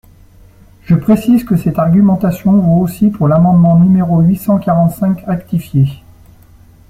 Je précise que cette argumentation vaut aussi pour l’amendement numéro huit cent quarante-cinq rectifié.